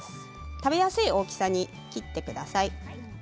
食べやすい大きさに切ってください。